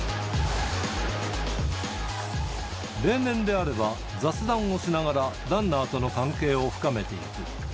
例年であれば、雑談をしながらランナーとの関係を深めていく。